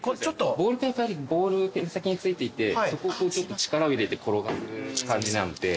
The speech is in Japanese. ボールペンってボールペン先に付いていてそこをちょっと力を入れて転がす感じなんで。